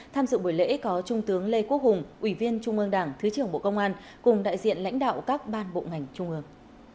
tham dự buổi lễ có trung tướng lê quốc hùng ủy viên trung ương đảng thứ trưởng bộ công an cùng đại diện lãnh đạo các ban bộ ngành trung ương